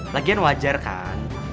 lagian wajar kan